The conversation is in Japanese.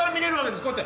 こうやって。